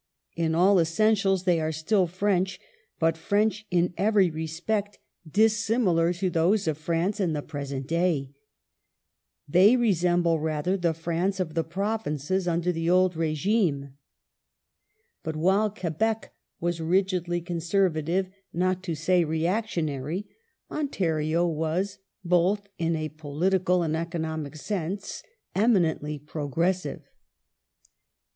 In all essentials they are still French ; but French in every respect dissimilar to those of France in the present day. They resemble rather the French of the Provinces under the old Greswell, Canada, p. 194. time Provinces 358 COLONIAL AND FOREIGN POLICY [1864 regime." ^ But while Quebec was rigidly Conservative, not to say reactionary, Ontario was, both in a political and economic sense, eminently progressive.